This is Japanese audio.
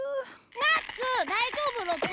ナッツ大丈夫ロプ？